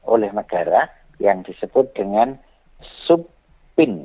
oleh negara yang disebut dengan sub pin